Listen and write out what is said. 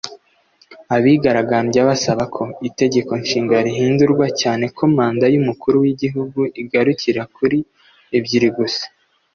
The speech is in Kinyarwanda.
Abigaragambya basaba ko itegeko nshinga rihindurwa cyane ko manda y’Umukuru w’Igihugu igarukira kuri ebyiri gusa